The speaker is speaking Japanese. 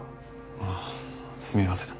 ああすみません